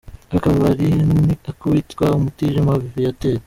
Aka kabari ni ak’uwitwa Mutijima Viateur.